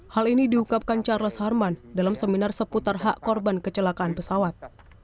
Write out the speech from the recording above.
hal ini diungkapkan charles harman dalam seminar seputar hak korban kecelakaan pesawat